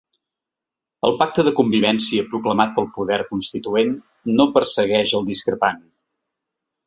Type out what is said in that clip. El pacte de convivència proclamat pel poder constituent no persegueix el discrepant.